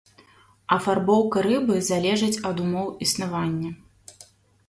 Афарбоўка рыбы залежыць ад умоў існавання.